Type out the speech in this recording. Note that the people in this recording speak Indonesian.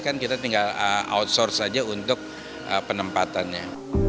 kan kita tinggal outsource saja untuk penempatannya